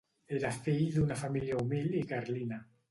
Era fill d'una família humil i carlina.